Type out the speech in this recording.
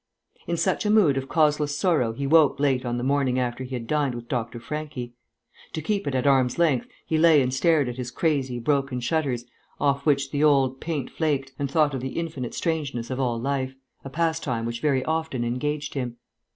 In such a mood of causeless sorrow he woke late on the morning after he had dined with Dr. Franchi. To keep it at arms' length he lay and stared at his crazy, broken shutters, off which the old paint flaked, and thought of the infinite strangeness of all life, a pastime which very often engaged him.